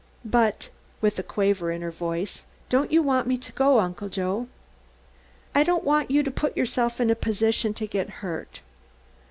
But," with a quaver in her voice, "don't you want me to go, Uncle Joe?" "I don't want you to put yourself in a position to get hurt."